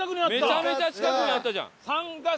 めちゃめちゃ近くにあったじゃん。